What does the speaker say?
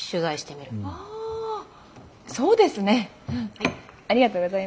あそうですね。はい。